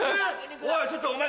おいちょっとお前。